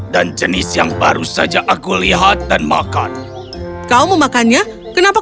dan jenis yang berbeda